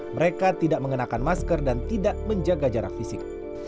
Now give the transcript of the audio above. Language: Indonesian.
mereka tidak mengenakan masker dan tidak menjaga jarak fisik